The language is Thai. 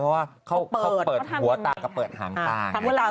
เพราะว่าเขาเปิดหัวตากับเปิดหางตา